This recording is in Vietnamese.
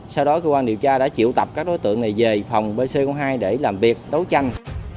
sau đó cơ quan điều tra đã triệu tập các đối tượng này về phòng bc hai để làm việc đấu tranh